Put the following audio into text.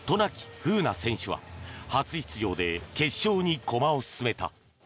風南選手は初出場で決勝に駒を進めた。